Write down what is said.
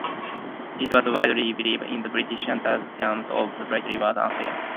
It was widely believed in Britain that the terms of the treaty were unfair.